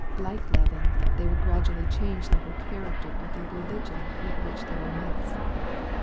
Like leaven, they would gradually change the whole character of the religion with which they were mixed.